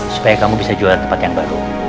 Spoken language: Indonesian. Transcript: supaya kamu bisa jualan tempat yang baru